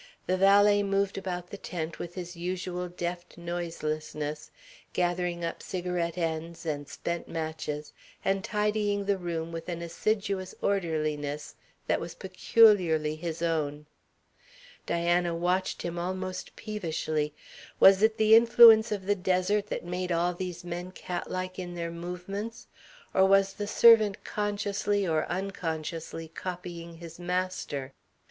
The valet moved about the tent with his usual deft noiselessness, gathering up cigarette ends and spent matches, and tidying the room with an assiduous orderliness that was peculiarly his own. Diana watched him almost peevishly. Was it the influence of the desert that made all these men cat like in their movements, or was the servant consciously or unconsciously copying his master?